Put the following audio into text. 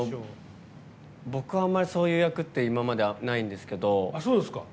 僕はあんまりそういう役って今までないんですけど。